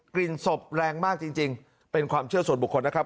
กลิ่นศพแรงมากจริงเป็นความเชื่อส่วนบุคคลนะครับ